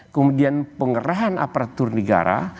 kemudian pengerahan aparatur negara